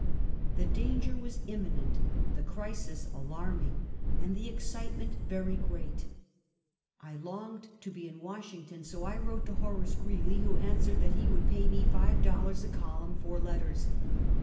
The danger was imminent, the crisis alarming, and the excitement very great, I longed to be in "Washington, so I wrote to Horace Greeley, who answered that he would pay me five dollars a column for letters.